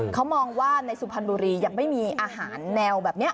เขามองว่าในสุพรรณบุรียังไม่มีอาหารแนวแบบนี้